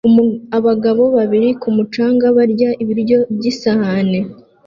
Abagabo babiri ku mucanga barya ibiryo by'isahani